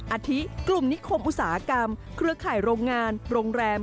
อาทิกลุ่มนิคมอุตสาหกรรมเครือข่ายโรงงานโรงแรม